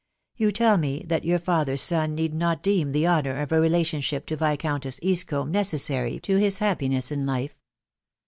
Ton Cell me that your father's son need not deem the honour of a *rek tionship to Viscountess Eastcombe necessary to ins happfaea in life.